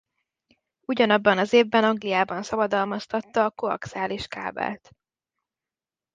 Ugyanabban az évben Angliában szabadalmaztatta a koaxiális kábelt.